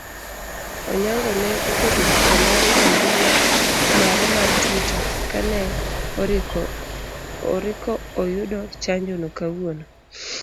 Onyango ne oketo picha mare embui mare mar twitter kane oriko oyudo chanjono kawuono